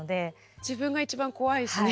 自分が一番怖いしね。